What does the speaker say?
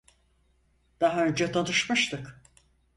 Daha önce tanışmıştık.